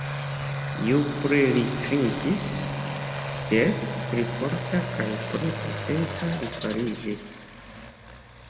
Ju pli li trinkis, des pli forta kaj pli potenca li fariĝis.